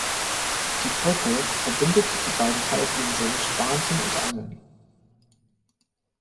Die Brücke verbindet die beiden Halbinseln Schwansen und Angeln.